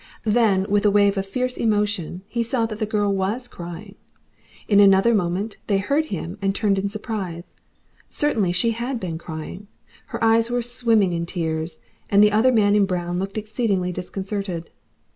Then, with a wave of fierce emotion, he saw that the girl was crying. In another moment they heard him and turned in surprise. Certainly she had been crying; her eyes were swimming in tears, and the other man in brown looked exceedingly disconcerted.